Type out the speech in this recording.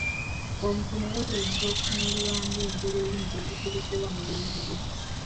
Omusono era guyinza okutunuulirwa ng'engeri olulimi gye lukozesebwa mu biyiiye.